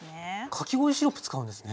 かき氷シロップ使うんですね。